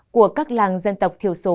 của các làng dân tộc thiểu số